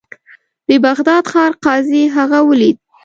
د بغداد ښار قاضي هغه ولید.